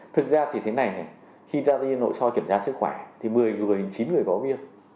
thực ra thì thế này khi ra đi nội soi kiểm tra sức khỏe thì một mươi người chín người có viêm